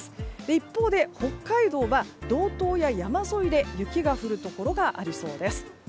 一方で、北海道は道東や山沿いで雪が降るところがありそうです。